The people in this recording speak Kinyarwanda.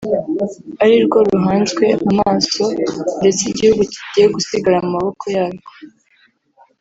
ari rwo ruhanzwe amaso ndetse igihugu kigiye gusigara mu maboko yarwo